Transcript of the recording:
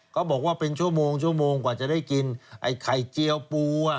เขาบอกว่าเป็นชั่วโมงชั่วโมงกว่าจะได้กินไอ้ไข่เจียวปู